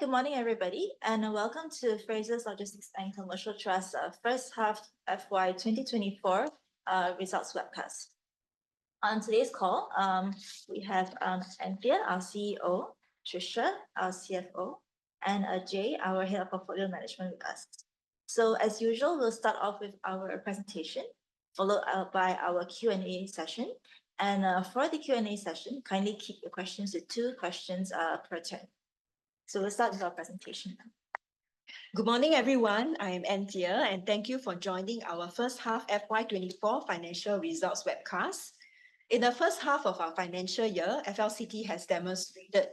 Good morning, everybody, welcome to Frasers Logistics & Commercial Trust's first half FY 2024 results webcast. On today's call, we have Anthea, our CEO, Tricia, our CFO, and Jay, our head of portfolio management with us. As usual, we'll start off with our presentation, followed by our Q&A session. For the Q&A session, kindly keep your questions to two questions per turn. Let's start with our presentation. Good morning, everyone. I am Anthea, thank you for joining our first half FY 2024 financial results webcast. In the first half of our financial year, FLCT has demonstrated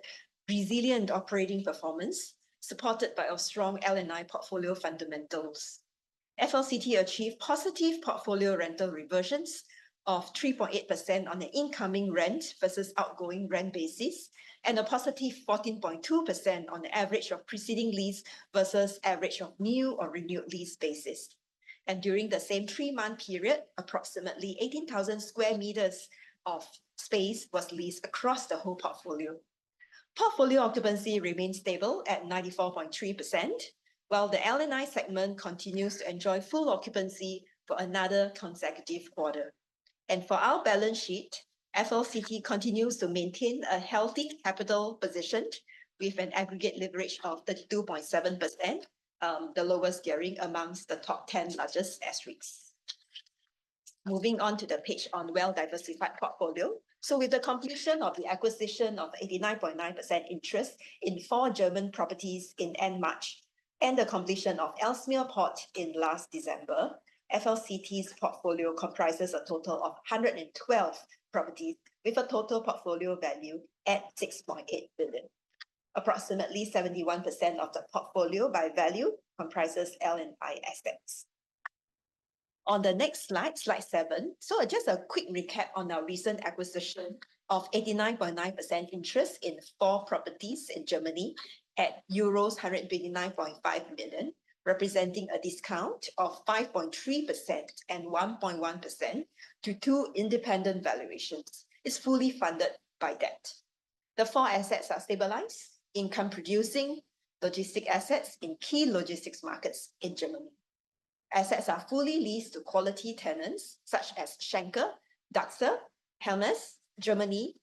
resilient operating performance, supported by our strong L&I portfolio fundamentals. FLCT achieved positive portfolio rental reversions of 3.8% on the incoming rent versus outgoing rent basis, a positive 14.2% on the average of preceding lease versus average of new or renewed lease basis. During the same three-month period, approximately 18,000 sq m of space was leased across the whole portfolio. Portfolio occupancy remains stable at 94.3%, while the L&I segment continues to enjoy full occupancy for another consecutive quarter. For our balance sheet, FLCT continues to maintain a healthy capital position with an aggregate leverage of 32.7%, the lowest gearing amongst the top 10 largest SREITs. Moving on to the page on well-diversified portfolio. With the completion of the acquisition of 89.9% interest in four German properties in end March, the completion of Ellesmere Port in last December, FLCT's portfolio comprises a total of 112 properties with a total portfolio value at 6.8 billion. Approximately 71% of the portfolio by value comprises L&I assets. On the next slide seven. Just a quick recap on our recent acquisition of 89.9% interest in four properties in Germany at euros 189.5 million, representing a discount of 5.3% and 1.1% to two independent valuations. It's fully funded by debt. The four assets are stabilized, income-producing logistic assets in key logistics markets in Germany. Assets are fully leased to quality tenants such as Schenker, Dachser, Hermes Germany,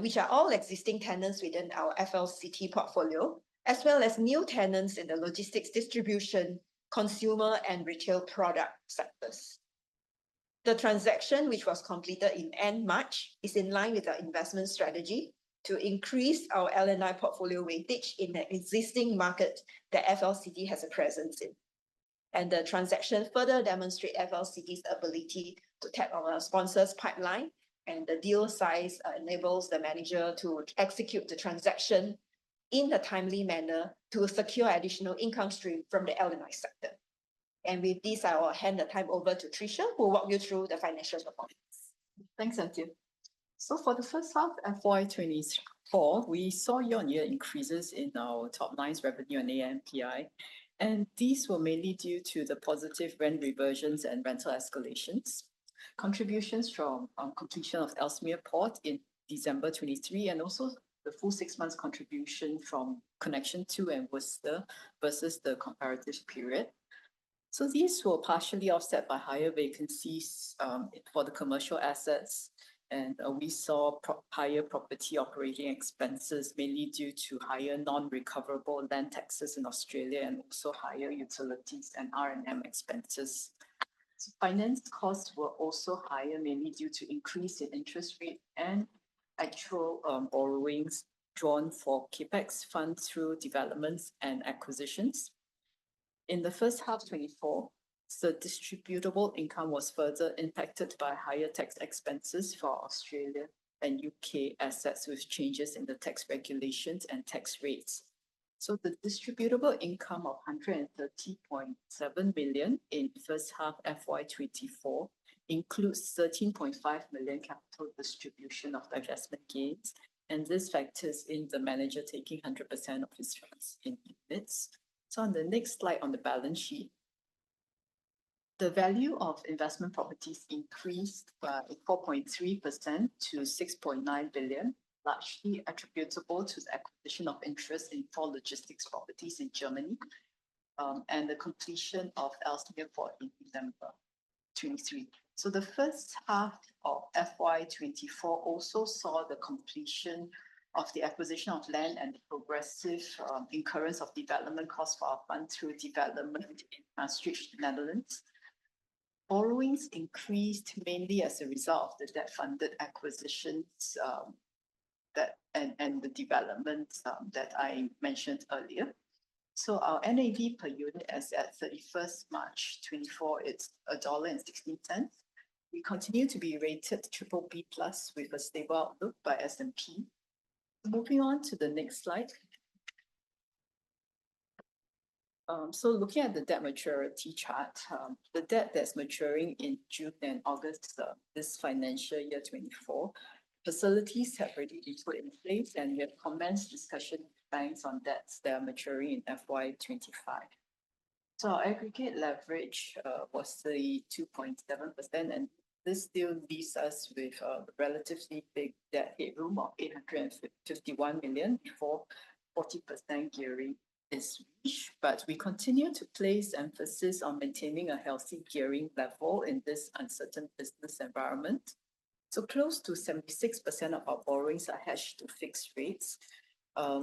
which are all existing tenants within our FLCT portfolio, as well as new tenants in the logistics distribution, consumer and retail product sectors. The transaction, which was completed in end March, is in line with our investment strategy to increase our L&I portfolio weightage in the existing market that FLCT has a presence in. The transaction further demonstrate FLCT's ability to tap on our sponsor's pipeline, the deal size enables the manager to execute the transaction in a timely manner to secure additional income stream from the L&I sector. With this, I will hand the time over to Tricia, who will walk you through the financial performance. Thanks, Anthea. For the first half FY 2024, we saw year-on-year increases in our top-line revenue and NPI, These were mainly due to the positive rent reversions and rental escalations. Contributions from completion of Ellesmere Port in December 2023, and also the full six months contribution from Connexion II and Worcester versus the comparative period. These were partially offset by higher vacancies for the commercial assets, and we saw higher property operating expenses, mainly due to higher non-recoverable land taxes in Australia and also higher utilities and R&M expenses. Finance costs were also higher, mainly due to increase in interest rate and actual borrowings drawn for CapEx funds through developments and acquisitions. In the first half 2024, the distributable income was further impacted by higher tax expenses for Australia and U.K. assets with changes in the tax regulations and tax rates. The distributable income of 130.7 million in first half FY 2024 includes 13.5 million capital distribution of the adjustment gains, and this factors in the manager taking 100% of his funds in units. On the next slide on the balance sheet. The value of investment properties increased by 4.3% to 6.9 billion, largely attributable to the acquisition of interest in four logistics properties in Germany, and the completion of Ellesmere Port in December 2023. The first half of FY 2024 also saw the completion of the acquisition of land and progressive incurrence of development costs for our fund through development in Maastricht, Netherlands. Borrowings increased mainly as a result of the debt-funded acquisitions and the development that I mentioned earlier. Our NAV per unit as at 31st March 2024, it is 1.16 dollar. We continue to be rated triple B plus with a stable outlook by S&P. Moving on to the next slide. Looking at the debt maturity chart, the debt that is maturing in June and August this financial year 2024, facilities have already been put in place, and we have commenced discussion with banks on debts that are maturing in FY 2025. Aggregate leverage was 32.7%, and this still leaves us with a relatively big debt headroom of 851 million before 40% gearing is reached. We continue to place emphasis on maintaining a healthy gearing level in this uncertain business environment. Close to 76% of our borrowings are hedged to fixed rates.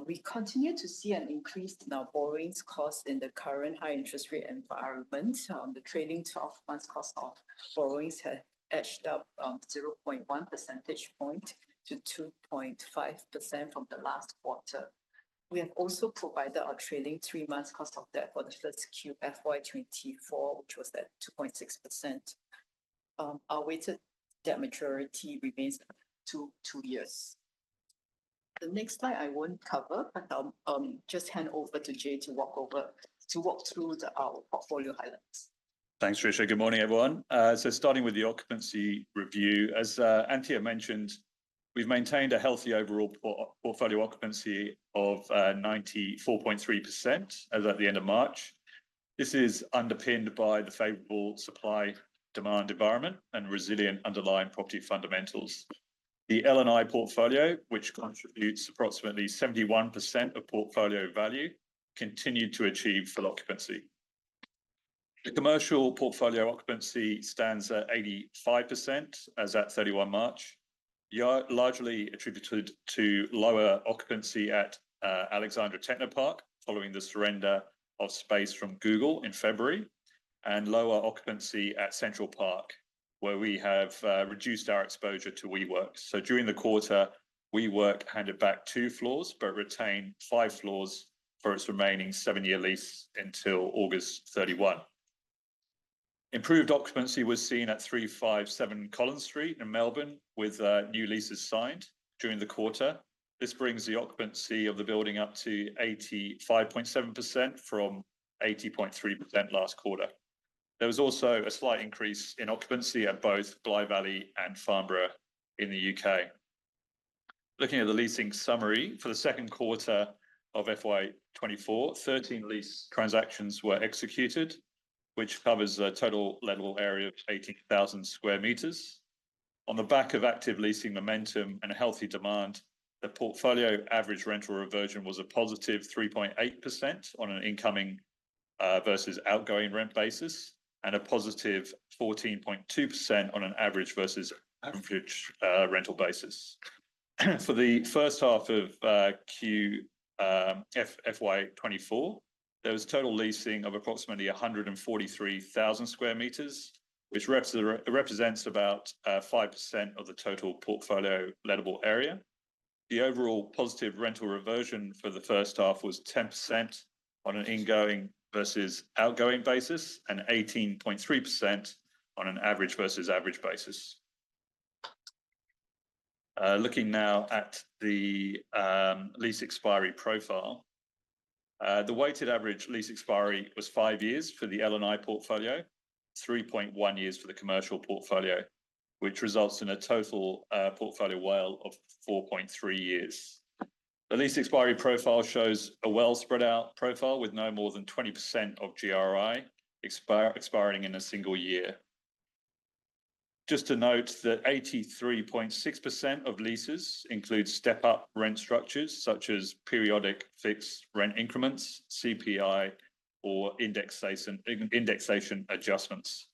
We continue to see an increase in our borrowings cost in the current high interest rate environment. The trailing 12 months cost of borrowings has edged up 0.1 percentage point to 2.5% from the last quarter. We have also provided our trailing three months cost of debt for the first Q FY 2024, which was at 2.6%. Our weighted debt maturity remains two years. The next slide I will not cover, but I will just hand over to Jay to walk through our portfolio highlights. Thanks, Tricia. Good morning, everyone. Starting with the occupancy review, as Anthea mentioned, we've maintained a healthy overall portfolio occupancy of 94.3% as at the end of March. This is underpinned by the favorable supply-demand environment and resilient underlying property fundamentals. The L&I portfolio, which contributes approximately 71% of portfolio value, continued to achieve full occupancy. The commercial portfolio occupancy stands at 85% as at 31 March, largely attributed to lower occupancy at Alexandra Technopark following the surrender of space from Google in February and lower occupancy at Central Park, where we have reduced our exposure to WeWork. During the quarter, WeWork handed back two floors but retained five floors for its remaining 7-year lease until August 31. Improved occupancy was seen at 357 Collins Street in Melbourne with new leases signed during the quarter. This brings the occupancy of the building up to 85.7% from 80.3% last quarter. There was also a slight increase in occupancy at both Blythe Valley and Farnborough in the U.K. Looking at the leasing summary for the second quarter of FY 2024, 13 lease transactions were executed, which covers a total lettable area of 18,000 square meters. On the back of active leasing momentum and a healthy demand, the portfolio average rental reversion was a positive 3.8% on an incoming versus outgoing rent basis and a positive 14.2% on an average versus average rental basis. For the first half of FY 2024, there was total leasing of approximately 143,000 square meters, which represents about 5% of the total portfolio lettable area. The overall positive rental reversion for the first half was 10% on an ingoing versus outgoing basis and 18.3% on an average versus average basis. Looking now at the lease expiry profile. The weighted average lease expiry was five years for the L&I portfolio, 3.1 years for the commercial portfolio, which results in a total portfolio WALE of 4.3 years. The lease expiry profile shows a well spread out profile with no more than 20% of GRI expiring in a single year. Just to note that 83.6% of leases include step-up rent structures such as periodic fixed rent increments, CPI or indexation adjustments.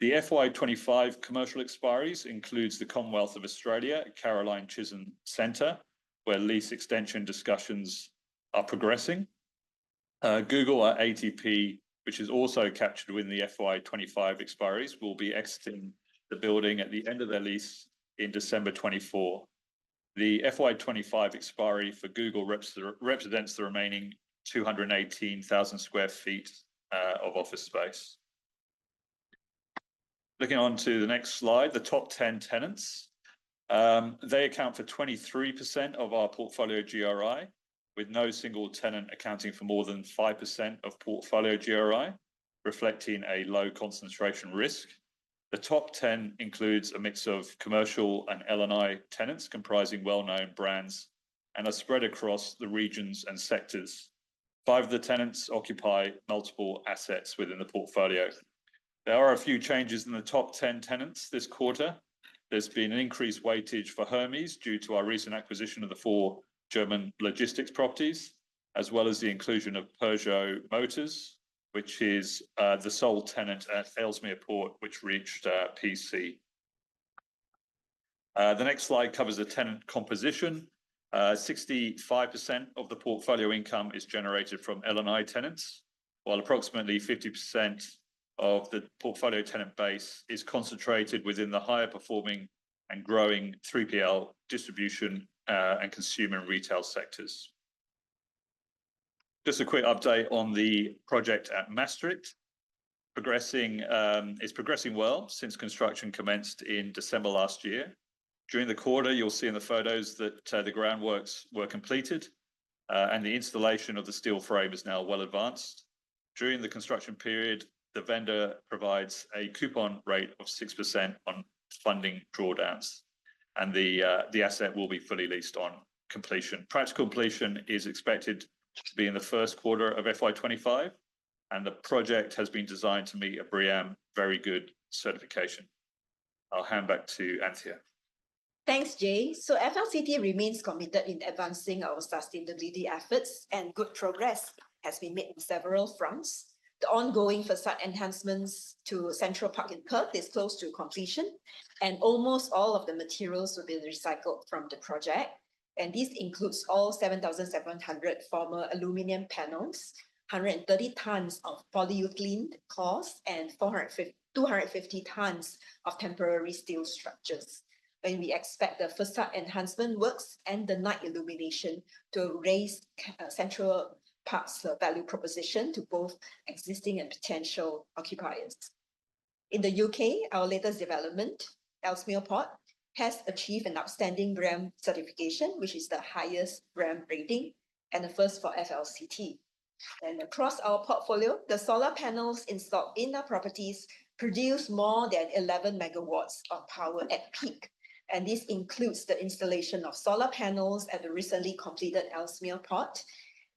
The FY 2025 commercial expiries includes the Commonwealth of Australia at Caroline Chisholm Centre, where lease extension discussions are progressing. Google at ATP, which is also captured within the FY 2025 expiries, will be exiting the building at the end of their lease in December 2024. The FY 2025 expiry for Google represents the remaining 218,000 square feet of office space. Looking on to the next slide, the top 10 tenants. They account for 23% of our portfolio GRI, with no single tenant accounting for more than 5% of portfolio GRI, reflecting a low concentration risk. The top 10 includes a mix of commercial and L&I tenants comprising well-known brands and are spread across the regions and sectors. Five of the tenants occupy multiple assets within the portfolio. There are a few changes in the top 11 tenants this quarter. There's been an increased weightage for Hermes due to our recent acquisition of the four German logistics properties, as well as the inclusion of Peugeot Motors, which is the sole tenant at Ellesmere Port, which reached PC. The next slide covers the tenant composition. 65% of the portfolio income is generated from L&I tenants, while approximately 50% of the portfolio tenant base is concentrated within the higher performing and growing 3PL distribution, and consumer retail sectors. Just a quick update on the project at Maastricht. It's progressing well since construction commenced in December last year. During the quarter, you'll see in the photos that the groundworks were completed, and the installation of the steel frame is now well advanced. During the construction period, the vendor provides a coupon rate of 6% on funding drawdowns, and the asset will be fully leased on completion. Practical completion is expected to be in the first quarter of FY 2025, and the project has been designed to meet a BREEAM very good certification. I'll hand back to Anthea. Thanks, Jay. FLCT remains committed in advancing our sustainability efforts, good progress has been made on several fronts. The ongoing facade enhancements to Central Park in Perth is close to completion, almost all of the materials will be recycled from the project. This includes all 7,700 former aluminum panels, 130 tons of polyethylene cloth, and 250 tons of temporary steel structures. We expect the facade enhancement works and the night illumination to raise Central Park's value proposition to both existing and potential occupiers. In the U.K., our latest development, Ellesmere Port, has achieved an outstanding BREEAM certification, which is the highest BREEAM rating and a first for FLCT. Across our portfolio, the solar panels installed in our properties produce more than 11 megawatts of power at peak, this includes the installation of solar panels at the recently completed Ellesmere Port.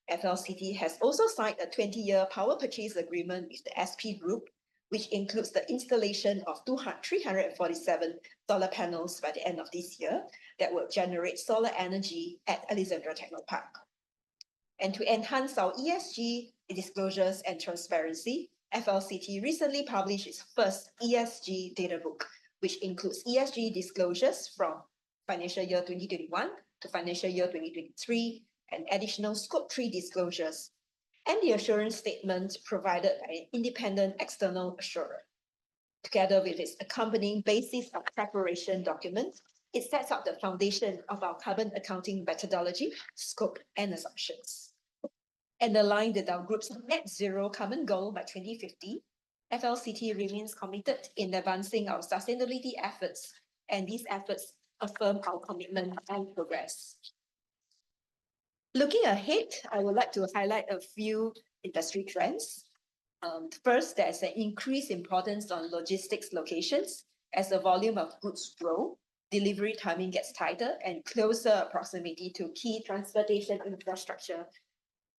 FLCT has also signed a 20-year power purchase agreement with the SP Group, which includes the installation of 347 solar panels by the end of this year that will generate solar energy at Alexandra Technopark. To enhance our ESG disclosures and transparency, FLCT recently published its first ESG data book, which includes ESG disclosures from financial year 2021 to financial year 2023, additional Scope 3 disclosures, and the assurance statement provided by an independent external assurer. Together with its accompanying basis of preparation document, it sets out the foundation of our carbon accounting methodology, scope, and assumptions. Aligned with our group's net zero common goal by 2050, FLCT remains committed in advancing our sustainability efforts, these efforts affirm our commitment and progress. Looking ahead, I would like to highlight a few industry trends. First, there is an increased importance on logistics locations. As the volume of goods grow, delivery timing gets tighter, closer proximity to key transportation infrastructure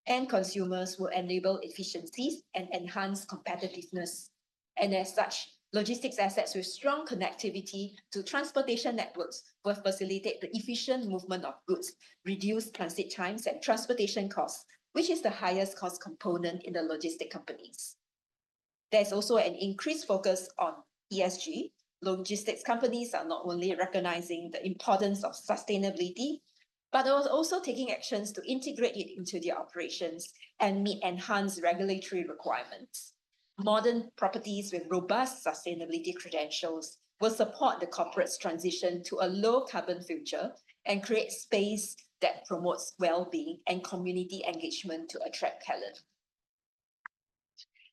and consumers will enable efficiencies and enhance competitiveness. As such, logistics assets with strong connectivity to transportation networks will facilitate the efficient movement of goods, reduce transit times, and transportation costs, which is the highest cost component in the logistics companies. There's also an increased focus on ESG. Logistics companies are not only recognizing the importance of sustainability, but are also taking actions to integrate it into their operations and meet enhanced regulatory requirements. Modern properties with robust sustainability credentials will support the corporate's transition to a low carbon future and create space that promotes wellbeing and community engagement to attract talent.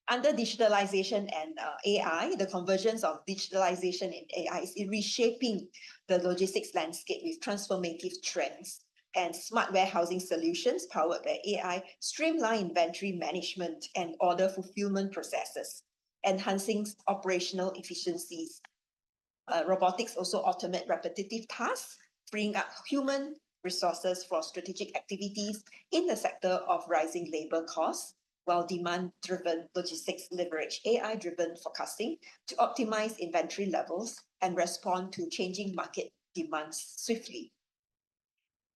Under digitalization and AI, the convergence of digitalization and AI is reshaping the logistics landscape with transformative trends. Smart warehousing solutions powered by AI streamline inventory management and order fulfillment processes, enhancing operational efficiencies. Robotics also automate repetitive tasks, freeing up human resources for strategic activities in the sector of rising labor costs. While demand-driven logistics leverage AI-driven forecasting to optimize inventory levels and respond to changing market demands swiftly.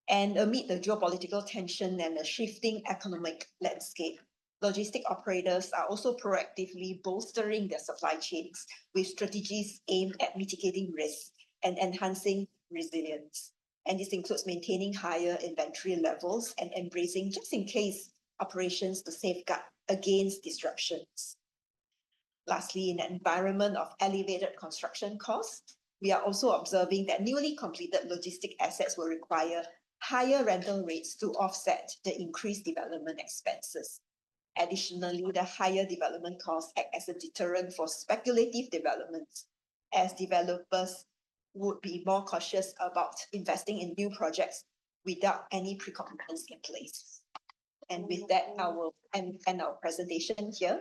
Amid the geopolitical tension and the shifting economic landscape, logistics operators are also proactively bolstering their supply chains with strategies aimed at mitigating risk and enhancing resilience. This includes maintaining higher inventory levels and embracing just-in-case operations to safeguard against disruptions. Lastly, in an environment of elevated construction costs, we are also observing that newly completed logistics assets will require higher rental rates to offset the increased development expenses. Additionally, the higher development costs act as a deterrent for speculative developments, as developers would be more cautious about investing in new projects without any pre-commitments in place. With that, I will end our presentation here.